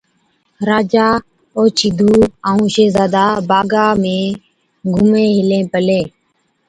راجا اوڇِي ڌُو ائُون شهزادا باغا ۾ گھُمين هِلين پلين،